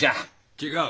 違う。